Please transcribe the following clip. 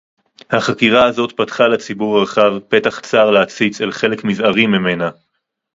החקירה הזאת פתחה לציבור הרחב פתח צר להציץ אל חלק מזערי ממנה